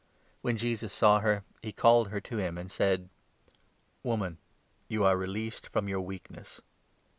When 12 Jesus saw her, he called her to him, and said :" Woman, you are released from your weakness."